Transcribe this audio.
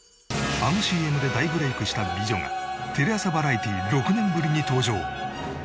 あのＣＭで大ブレイクした美女がテレ朝バラエティ６年ぶりに登場。